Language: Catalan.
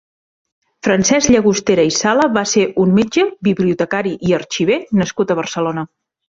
Francesc Llagostera i Sala va ser un metge, bibliotecari i arxiver nascut a Barcelona.